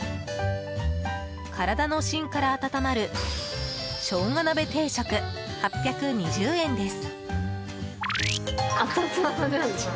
体の芯から温まるしょうが鍋定食、８２０円です。